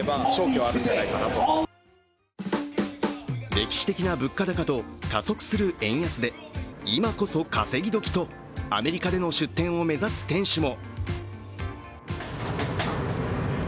歴史的な物価高と加速する円安で今こそ稼ぎどきと、アメリカでの出店を目指す店主も。